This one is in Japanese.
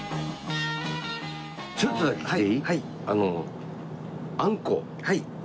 ちょっとだけ聞いていい？